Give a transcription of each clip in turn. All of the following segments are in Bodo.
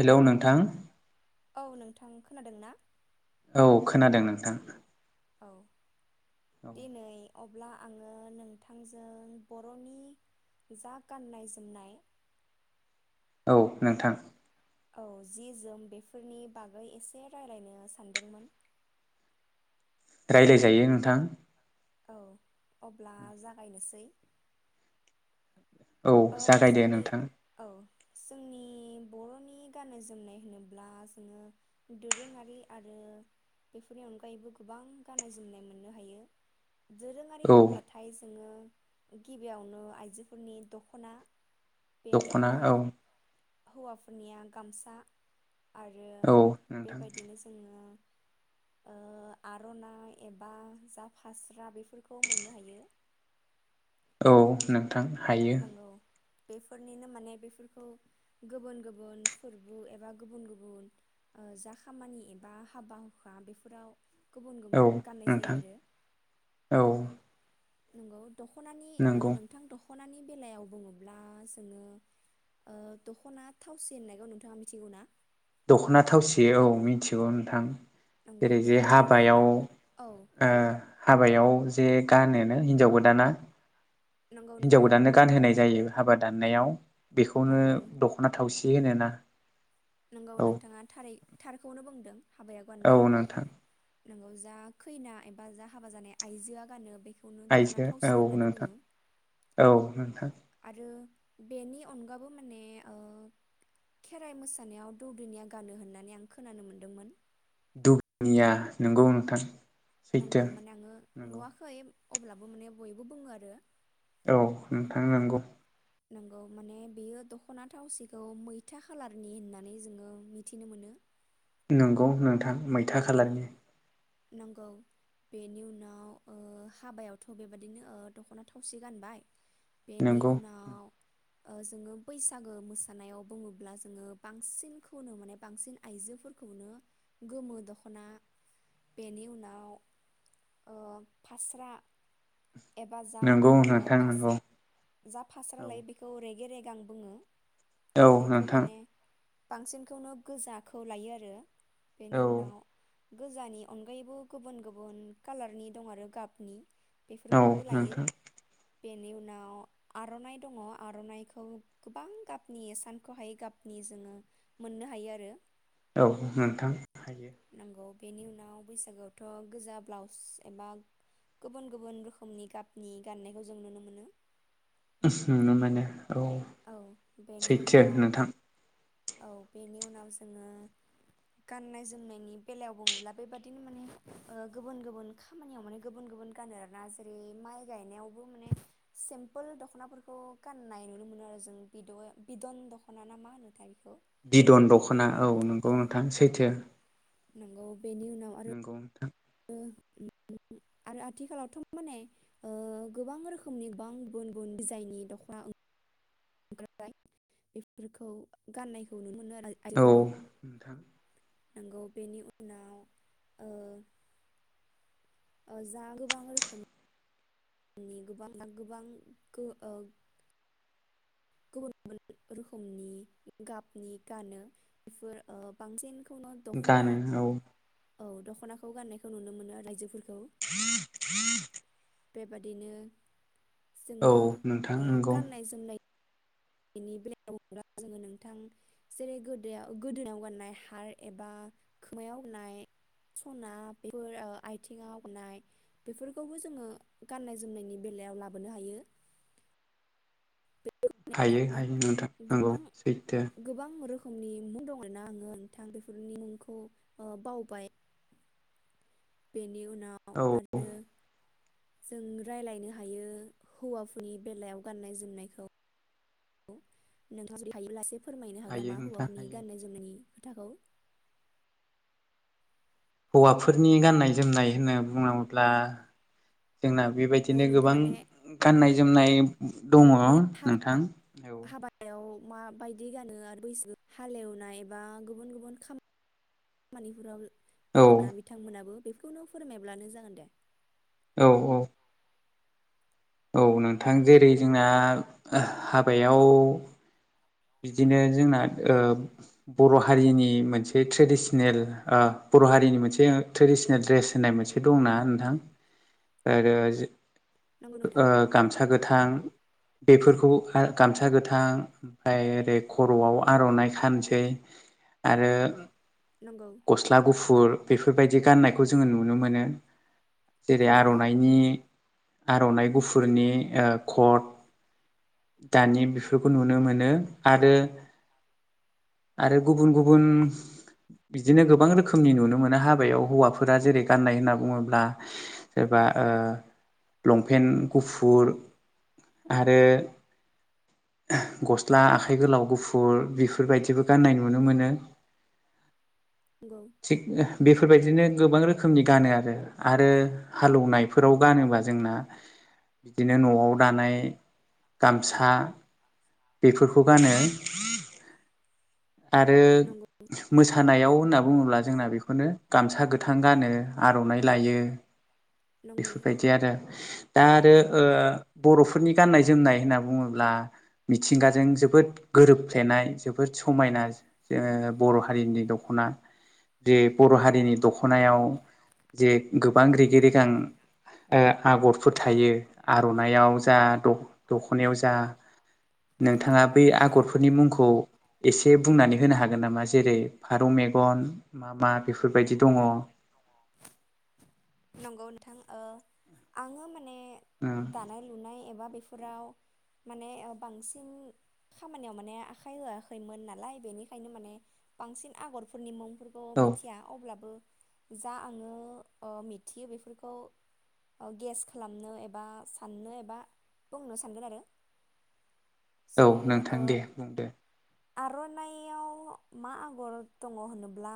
हेल' नोंथां औ नोंथां खोनादों ना? औ खोनादों नोंथां। औ। औ दिनै अब्ला आङो नोंथांजों बर'नि जा गाननाय जोमनाय औ नोंथां। औ जि जोम बेफोरनि बागै एसे राय्लायनो सानदोंमोन। राय्लायजायो नोंथां। औ अब्ला जागायनोसै औ ओ जागायदे जोंनि नोंथां। औ जोंनि बर'नि गाननाय जोमनाय होनोब्ला जोङो दोरोङारि आरो बेफोरनि अनगायैबो गोबां गाननाय जोमनाय मोननो हायो। दोरोङारि औ होनब्लाथाय जोङो गिबियावनो आइजोफोरनि दख' ख'ना। बेनि दख'ना औ उनाव हौवाफोरनिया गामसा आरो औ नोंथां बेबायदिनो जोङो ओ आर'नाइ एबा जा फास्रा बेफोरखौ मोननो हायो। औ नों थां हायो। नंगौ बेफोरनिनो माने बेफोरखौ गुबुन गुबुन फोरबो एबा गुबुन गुबुन ओ जा खामानि एबा हाबा हुखा बेफोराव गुबुन औ गुबुन गाननाय जायो नोंथां आरो औ। नंगौ। दख'नानि ओ नंगौ नोंथां दख' दख'नानि बेलायाव बुङोब्ला जोङो ओ दख'ना थावसि होननायखौ नोंथाङा मिथिगौ ना? दख'ना थावसि औ मिथिगौ नोंथां। नंगौ जेरै जे बेखौ माने हाबायाव औ ओ हाबायाव जे गानोनो हिनजाव गोदाना नंगौ हिनजाव नोंथां गोदाननो गानहोनाय जायो। हाबा दाननायाव। बेखौनो नंगौ दख'ना थावसि जि होनोना। नंगौ औ नोंथाङा थारै थारखौनो बुंदों। हाबायाव औ गाननाय नोंथां नंगौ जा खैना एबा जा हाबा जानाय आइजोआ गानो बे आइजो औ नोंथां औ नोंथां। आरो बेनि अनगाबो माने खेराइ मोसानायाव दौदिनिया गानो होननानै आं खोनानो मोनदोंमोन। दौदिनिया नंगौ नोंथां। सैथो नंगौ माने आङो नंगौ नुवाखै। अब्लाबो माने बयबो बुङो आरो। औ नोंथां नंगौ। नोंगौ माने बेयो दख'ना थावसिखौ मैथा खालारनि होननानै जोङो मिथिनो मोनो। नंगौ नोंथां मैथा खालारनि नंगौ बेनि उनाव हाबायावथ' बेबायाददिनो दख'ना थावसि गानबाय। बेनि नंगौ उनाव जोङो बैसागो मोसानायाव बुङोब्ला जोङो बांसिनखौनो माने बांसिन आइजोफोरखौनो गोमो दख'ना बेनि उनाव फास्रा ओ एबा जा नंगौ ओ नोंथां नंगौ जा फास्रा औ लायो बेखौ रेगे रेग गां बुङो। औ बेखौ नोंथां माने बांसिनखौनो गोजाखौ लायो आरो। बेनि औ उनाव गोजानि अनगायैबो गुबुन गुबुन कालारनि दं आरो गाबनि औ बेफोरखौबो लायो। नोंथां बेनि उनाव आर'नाइ दङ आर'नाइखौ गोबां गाबनि सानखौहायै गाबनि जोङो मोननो हायो आरो। औ नोंथां हायो। नंगौ बेनि उनाव बैसागोआवथ' गोजा ब्लाउस एबा गुबुन गुबुन रोखोमनि गाबनि गाननायखौ जों नुनो मोनो। नुनो मोनो। औ औ बेनि सैथो उनाव नोंथां औ बेनि उनाव जोङो गाननाय जोमनायनि बेलायाव बुङोब्ला बेबादिनो माने ओ गुबुन गुबुन खामानियाव माने गुबुन गुबुन गानो आरोना जेरै माइ गायनायावबो माने सिमपोल दख'नाफोरखौ गाननाय नुनो मोनो। आरो जों बिदन दख'ना ना मा होनो थाय बे बिदन दख'ना औ नंगौ नोंथां सैथो। नोंगौ बेनि उनाव आरो नंगौ नोंथां आरो आथिखालावथ' माने ओ गोबां रोखोमनि गोबां गुबुन गुबुन डिजाइननि दख'ना ओं ओमफ्राय बेफोरखौ गाननायखौ नुनो मोनो आरो आ [unintelligible] औ आरिफोरखौ नोंथां नांगौ बेनि उनाव ओ ओ जा गोबां रोखोम नि गोबां गोबां गो ओ गुबुन गुबुन रोखोमनि गाबनि गानो बेफोर ओ बांसिन गानो औ औ दख'नाखौ गाननायखौ नुनो मोनो रायजोफोर [unintelligible] बेबादिनो औ जोङो नोंथां ओ नंगौ गाननाय जोमनाय बेनि बेलायाबा जोङो नोंथां जेरै गोद गोदोनायाव गाननाय हार एबा खोमायावनाय सना बेफोर आथिङाव गाननाय बेफोरखौबो जोङो गाननाय जोमनायनि बेलायाव लाबोनो हायो। हायो हायो नोंथां नोंगौ सैथो खोमनि मुं दं आरोना आङो नोंथां बेफोरनि मुंखौ बावबाय। बेनि उ औ जों रायलायनो हायो हौवाफोरनि बेलायाव गाननाय जोमनायखौ औ नोंथाङा जुदि हायोब्ला एसे फोरमायनो हागोन हायो मा नोंथां हौवाफोरनि हायो गाननाय जोमनायनि? खोथाखौ हौवाफोरनि गाननाय जोमनाय होनना बुङोब्ला जोंना नंगौ बेबायदिनो गोबां गाननाय जोमनाय दङ मा हा नोंथां [unintelligible] हाबायाव माबायदि गानो आरो बैसो हालेवनाय एबा गुबुन गुबुन खामानिफोराव औ [unintelligible] बिथांमोनाबो बेखौनो फोरमायब्लानो जागोन दे। औ औ औ नोंथां जेरै जोंना हाबायाव बिदिनो जोंना ओ बर' हारिनि मोनसे ट्रेदिसनेल अह बर' हारिनि मोनसे ट्रेडिसनेल ड्रेस होननाय मोनसे दंना नोंथां आरो नंगौ नोंथां ओ गामसा गोथां बेफोरखौ गामसा गोथां आमफ्राय ओरै खर'आव आर'नाइ खानोसै आरो नंगौ गस्ला गुफुर बेफोरबायदि गाननायखौ जोङो नुनो मोनो। जेरै नंगौ आर'नाइनि आर'नाइ गुफुरनि ओ कट दानि बेफोरखौ नुनो मो नो आरो आरो गुबुन गुबुन बिदिनो गोबां रोखोमनि नुनो मोनो हाबायाव हौवाफोरा जेरै गाननाय होनना बुङोब्ला सोरबा ओ लंपेन्ट गुफुर आरो [unintelligible] गस्ला आखाइ गोलाव गुफुर बेफोरबायदिबो गाननाय नुनो मोनो नंगौ थिग बेफोरबायदिनो गोबां रोखोमनि गानो आरो आरो हालौनायफोराव गानोबा जोंना बिदिनो न'आव दानाय गामसा बेफोरखौ गानो [unintelligible] आरो नंगौ मोसानायाव होनना बुङोब्ला जोंना बेखौनो गामसा गोथां गानो आर'नाइ लायो‌। नंगौ बेफोरबायदि आरो दा आरो ओ बर'फोरनि गाननाय जोमनाय होनना बुङोब्ला मिथिंगाजों जोबोद गोरोबफ्लेनाय जोबोद समायना जोङो बर' हारिनि दख'ना दि बर' हारिनि दख'नायाव जे गोबां रेगे रेगां ओ आगर फोर थायो आर'नायइाव जा दखनायाव जा नोंथाङा बै आगरफोरनि मुंखौ एसे बुंनानै होनो हागोन नामा? जेरै- फारौ मेगन मा मा बेफोरबायदि दङ? थां ओ आङो मा ने दानाय लुनाय एबा बेफ फोराव माने बांसिन खामानियाव माने आखाइ होआखैमोन नालाय बेनिखायनो माने बांसिन आगरफोरनि मुंफोर खौ औ मिथिया अब्लाबो जा आङो ओ मिथियो बेफोरखौ गेस खालामनो एबा साननो एबा बुंनो सानगोन आरो औ नोंथां दे बुंदो आर'नाइाव मा आगर दङ होनोब ब्ला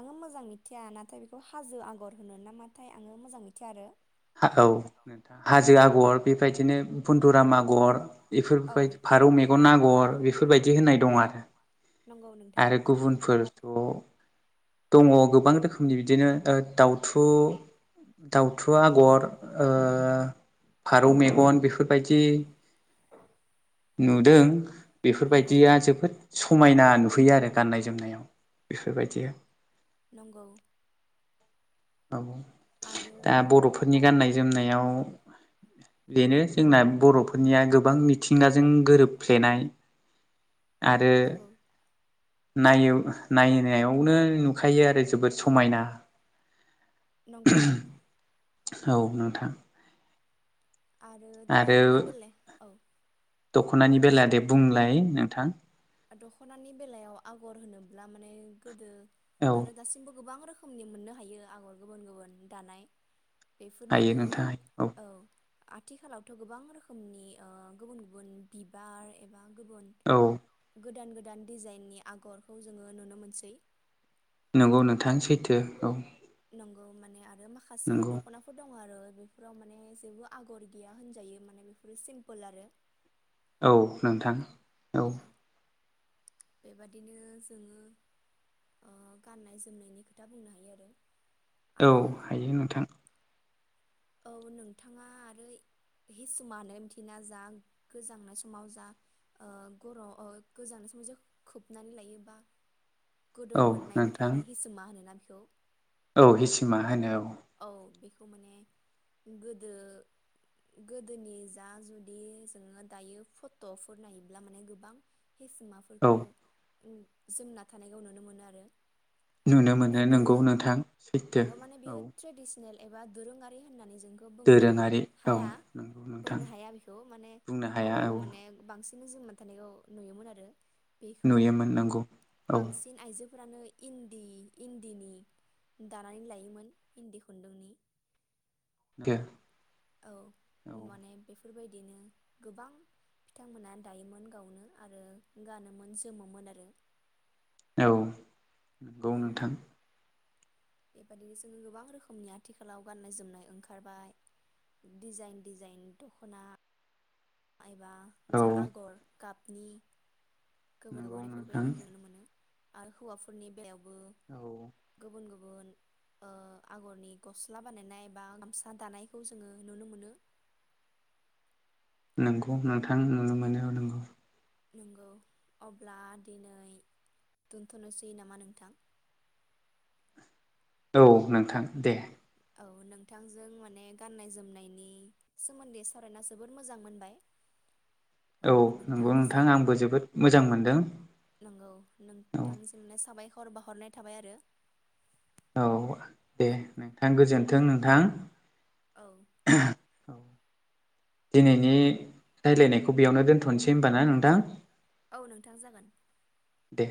आङो मोजां मिथिया नाथाय बेखौ हाजो आगर होनो नामाथाय आङो मोजां मिथिया आरो गर बेबायदिनो बुनन्दुराम आगर औ बेफोरबाय फारौ मेगन आ गर बेफोरबायदि होननाय दं आरो नंगौ नोंथां आरो गुबुनफोर दं दङ गोबां रोखोमनि बिदिनो ओ दाउथु दाउथु थु आगर ओ फारौ मेगन बेफोरबायदि नुदों नंगौ बेफोरबायदिया जोबोद समायना नुहैयो आरो गाननाय जोमनायाव बेफोरबायदि नंगौ औ आरो दा बर'फोरनि गाननाय जोमनायाव बेनो जोंना बर'फोरनिया गोबां मिथिंगाजों गोरोबफ्लेनाय आरो नंगौ नायो नायनायावनो नुखायो आरो जोबोद समायना नंगौ औ नोंथां आरो दख'नानि बेलाय औ दख'नानि बेला दे बुंलाय नोंथां दखनानि बेलायाव आगर होनोब्ला माने गोदो औ आरो दासिमबो गोबां रोखो रोखोमनि मोननो हायो आगर गुबुन गुबुन दानाय हायो बेफोरनिनो नोंथां औ आथिखालावथ' गोबां रोखोमनि ओ गुबुन गुबुन बिबार एबा गुबुन औ गोदान गोदान डिजाइननि आगरखौ जोङो नुनो मोनसै नंगौ नोंथां सैथो औ नंगौ माने आरो माखासे नंगौ दख'नाफोर दङ आरो बेफोराव माने जेबो आगर गैया होनजायो माने बेफोरो सिम्पोल आरो औ नोंथां औ बेबादिनो जोङो ओ गाननाय जोमनायनि खोथा बुंनो हायो आरो औ आरो हायो नोंथां औ नोंथाङा आरो हिसुमा होनाय मिथियोना जा गोजांनाय समाव जा ओ गरम गोजांनाय समाव जा खोबनानै लायोबा [unintelligible] औ गुदुं मोननायनि नोंथां थाखाय हिसुमा होनोना बिखौ औ औ हिसिमा होनो औ औ मोनने गोदो गोदोनि जा जुदि जोङो दायो फट'फोर नायोब्ला माने गोबां हिसिमाफोरखौ औ उम जोमना थानायखौ नुनो मोनो आरो नुनो मोनो माने बियो नोंगौ नोंथां सैथो नंगौ माने बियो औ ट्रेडिसनेल एबा दोरोंङा होननानै नोंगौ बुंनो दोरोङारि औ हाया नंगौ नोंथां बुंनो हाया बेखौ माने बुंनो हाया अब्लाबो औ माने बांसिन बिदिनो जोमना थानायखौ नुयोमोन आरो बेखौ नुयोमोन नंगौ औ बांसिन आइजोफोरा इन्दि इन्दिनि दानानै लायोमोन इन्दि खुन्दुंनि दो औ माने बेफोर बेफोरबायदिनो गोबां बिथांमोना दायोमोन गावनो आरो गानोमोन जोमोमोन आरो औ नंगौ औ नोंथां। बेबादिनो जोङो गोबां रोखोमनि आथिखालाव गाननाय जोमनाय ओंखारबाय डिजाइन डिजाइन दखना एबा औ जा आगर गाबनि गोबाव नंगौ गोबावनिफोर नोंथां बायदिखौ जों नुनो मोनो। आरो हौवाफोरनि बेलायावबो औ ओ गुबुन आगरनि गस्ला बानायनाय बा गामसा दानायखौ जोङो नुनो मोनो। नंगौ नोंथां नुनो मोनो नोंगौ। नंगौ अब्ला दिनै दोनथनोसै नामा नोंथां। औ नोंथां दे। औ नोंथांजों माने गाननाय जोमनायनि सोमोन्दै सावरायना जोबोद मोजां मोनबाय। औ नंगौ नोंथां आंबो जोबोद मोजां मोनदों औ। हर बावहरनाय थाबाय आरो। औ दे नोंथां गोजोनथों नोंथां। औ औ दिनैनि राय्लायनायखौ बेयावनो दोनथनोसै होनबा ना नोंथां। औ नोंथां जागोन दे